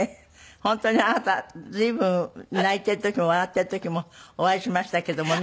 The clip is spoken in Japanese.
本当にあなた随分泣いてる時も笑ってる時もお会いしましたけどもね。